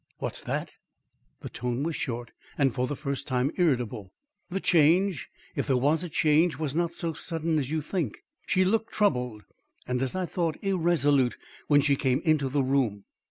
"What's that?" The tone was short, and for the first time irritable. "The change, if there was a change, was not so sudden as you think. She looked troubled, and as I thought, irresolute when she came into the room."